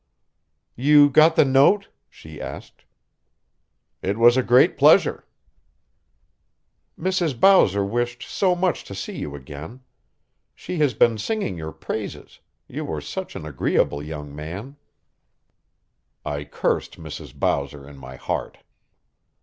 "You got the note?" she asked. "It was a great pleasure." "Mrs. Bowser wished so much to see you again. She has been singing your praises you were such an agreeable young man." I cursed Mrs. Bowser in my heart.